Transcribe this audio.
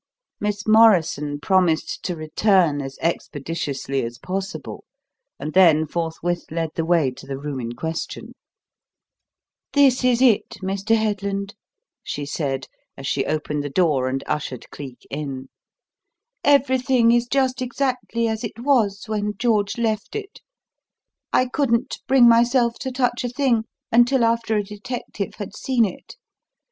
Miss Morrison promised to return as expeditiously as possible, and then forthwith led the way to the room in question. "This is it, Mr. Headland," she said as she opened the door and ushered Cleek in. "Everything is just exactly as it was when George left it. I couldn't bring myself to touch a thing until after a detective had seen it.